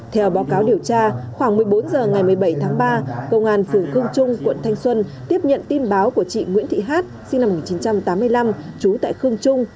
theo báo cáo điều tra khoảng một mươi bốn h ngày một mươi bảy tháng ba công an phường khương trung quận thanh xuân tiếp nhận tin báo của chị nguyễn thị hát sinh năm một nghìn chín trăm tám mươi năm trú tại khương trung